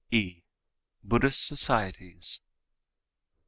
_(e) Buddhist Societies.